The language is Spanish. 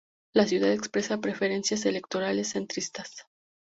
La ciudad expresa preferencias electorales centristas.